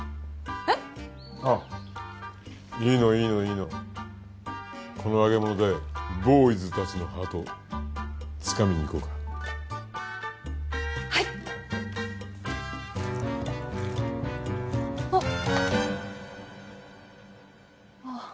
えっ？あっいいのいいのいいのこの揚げ物でボーイズたちのハートつかみにいこうかはいっあっ